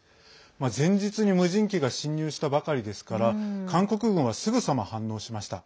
前日に無人機が侵入したばかりですから韓国軍は、すぐさま反応しました。